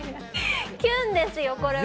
キュンですよこれは。